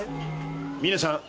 峰さん